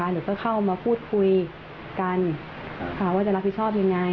หนูก็เข้ามาพูดคุยกันว่าจะรับผิดชอบยังไง